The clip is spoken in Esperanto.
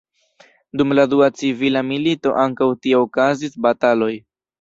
Dum la dua civila milito ankaŭ tie okazis bataloj.